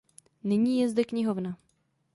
Nyní je zde knihovna.